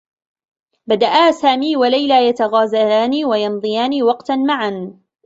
بدآ سامي و ليلى يتغازلان و يمضيان وقتا معا.